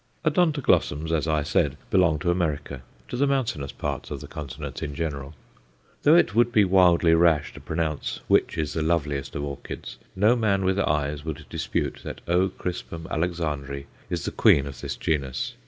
Odontoglossums, as I said, belong to America to the mountainous parts of the continent in general. Though it would be wildly rash to pronounce which is the loveliest of orchids, no man with eyes would dispute that O. crispum Alexandræ is the queen of this genus.